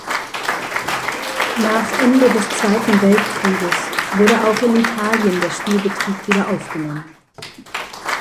Nach Ende des Zweiten Weltkrieges wurde auch in Italien der Spielbetrieb wieder aufgenommen.